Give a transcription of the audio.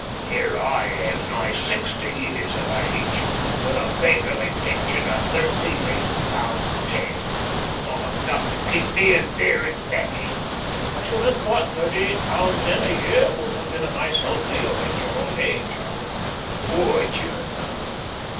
Here I am nigh sixty years of age, with a beggarly pension of thirty eight pound ten not enough to keep me in beer and baccy." "I should have thought thirty eight pound ten a year would have been a nice help to you in your old age," I remarked. "Would you, though?"